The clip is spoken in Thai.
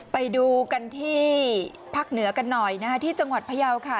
ไปดูกันที่ภาคเหนือกันหน่อยนะฮะที่จังหวัดพยาวค่ะ